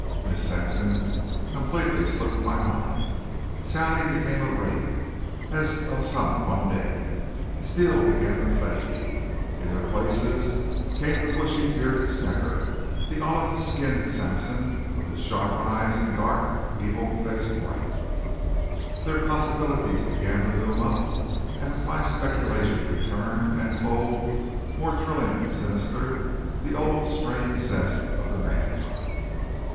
Miss Sampson completely slipped my mind; Sally became a wraith as of some one dead; Steele began to fade. In their places came the bushy bearded Snecker, the olive skinned Sampson with his sharp eyes, and dark, evil faced Wright. Their possibilities began to loom up, and with my speculation returned tenfold more thrilling and sinister the old strange zest of the man hunt.